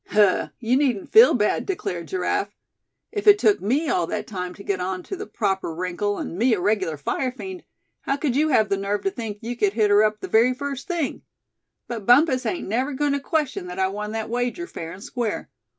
"Huh! you needn't feel bad," declared Giraffe. "If it took me all that time to get on to the proper wrinkle, and me a regular fire fiend, how could you have the nerve to think you could hit her up the very first thing? But Bumpus ain't never going to question that I won that wager, fair and square.